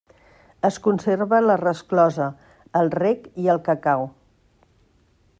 Es conserva la resclosa, el rec i el cacau.